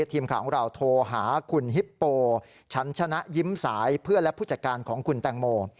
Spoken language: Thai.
ทีมข่าวของเราโทรหาคุณฮิปโปฉันชนะยิ้มสายเพื่อนและผู้จัดการของคุณแตงโม